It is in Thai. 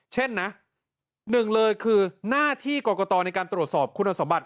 เช่นนะหนึ่งเลยคือหน้าที่กรกตในการตรวจสอบคุณสมบัติ